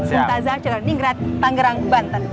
suntazah cenerningrat tangerang banten